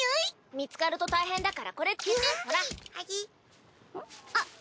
見つかると大変だからこれつけてほら！